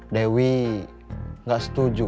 dewi nggak setuju